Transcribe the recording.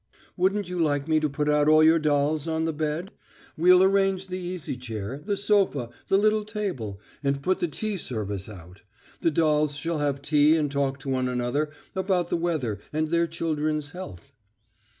"Wouldn't you like me to put out all your dolls on the bed? We'll arrange the easy chair, the sofa, the little table, and put the tea service out. The dolls shall have tea and talk to one another about the weather and their children's health."